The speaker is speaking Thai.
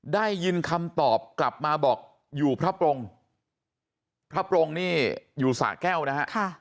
ได้ยินคำตอบกลับมาบอกอยู่พระปรงพระปรงนี่อยู่สะแก้วนะฮะ